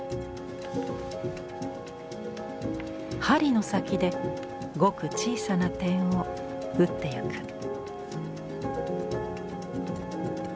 針の先でごく小さな点をうっていく。